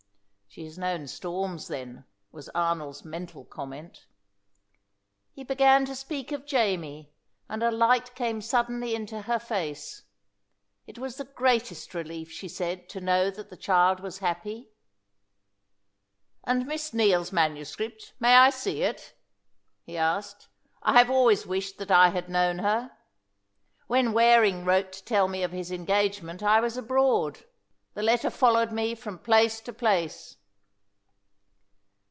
"She has known storms, then," was Arnold's mental comment. He began to speak of Jamie, and a light came suddenly into her face. It was the greatest relief, she said, to know that the child was happy. "And Miss Neale's manuscript may I see it?" he asked. "I have always wished that I had known her. When Waring wrote to tell me of his engagement I was abroad. The letter followed me from place to place."